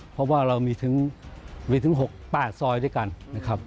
เพราะว่าเรามีถึง๖๘ซอยด้วยกันนะครับ